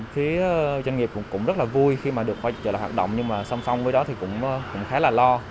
phía doanh nghiệp cũng rất là vui khi mà được quay trở lại hoạt động nhưng mà song song với đó thì cũng khá là lo